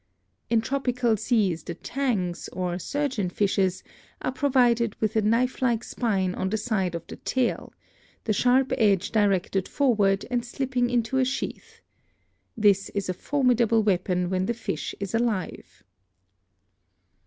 In tropical seas the tangs, or surgeon fishes, are provided with a knifelike spine on the side of the tail, the sharp edge directed forward and slipping into a sheath. This is a formidable weapon when the fish is alive.